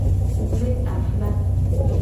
Le afla.